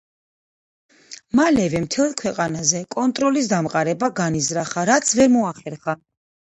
მალევე მთელ ქვეყანაზე კონტროლის დამყარება განიზრახა, რაც ვერ მოახერხა.